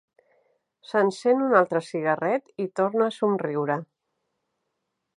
S'encén un altre cigarret i torna a somriure.